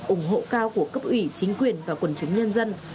ủng hộ cao của cấp ủy chính quyền và quần chúng nhân dân